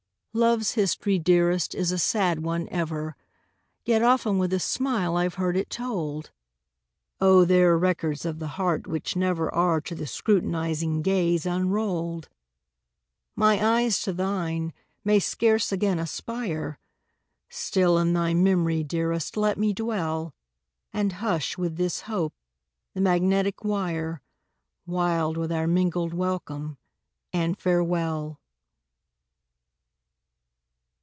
Love's history, dearest, is a sad one ever, Yet often with a smile I've heard it told! Oh, there are records of the heart which never Are to the scrutinizing gaze unrolled! My eyes to thine may scarce again aspire Still in thy memory, dearest let me dwell, And hush, with this hope, the magnetic wire, Wild with our mingled welcome and farewell!